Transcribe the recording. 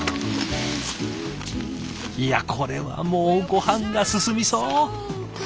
いやこれはもうごはんが進みそう！